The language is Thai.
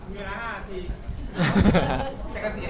สวัสดีครับ